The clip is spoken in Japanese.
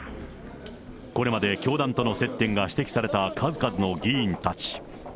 これまで教団との接点が指摘された数々の議員たち。